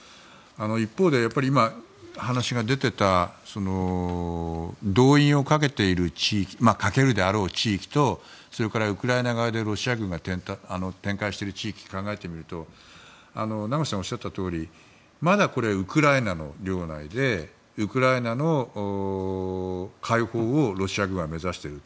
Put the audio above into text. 一方で今、話が出てた動員をかけるであろう地域とそれからウクライナ側でロシア軍が展開している地域を考えてみると名越さんがおっしゃったとおりまだこれ、ウクライナの領内でウクライナの解放をロシア軍は目指している。